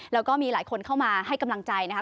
แล้วก็มีหลายคนเข้ามาให้กำลังใจนะคะ